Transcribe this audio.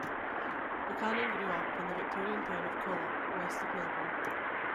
Buchanan grew up in the Victorian town of Colac, west of Melbourne.